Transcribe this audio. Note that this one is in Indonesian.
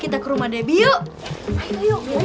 kita ke rumah debbie yuk